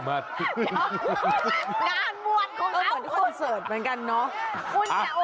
เหมือนที่คุณเสิร์ฟเหมือนกันเนาะ